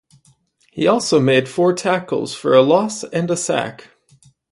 He also made four tackles for a loss and a sack.